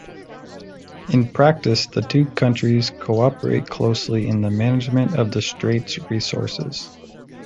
In practice the two countries co-operate closely in the management of the strait's resources.